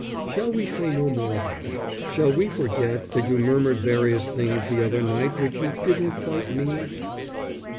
"Shall we say no more about it? Shall we forget that you murmured various things the other night which you didn't quite mean?"